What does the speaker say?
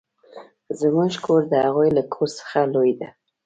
زموږ کور د هغوې له کور څخه لوي ده.